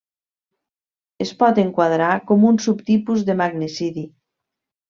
Es pot enquadrar com un subtipus de magnicidi.